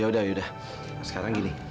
yaudah yaudah sekarang gini